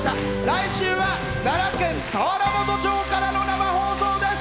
来週は奈良県田原本町からの生放送です！